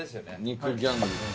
肉ギャングの。